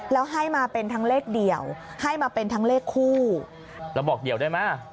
แล้วให้มาเป็นทั้งเลขเดี่ยวให้มาเป็นทั้งเลขคู่แล้วบอกเดี่ยวได้ไหม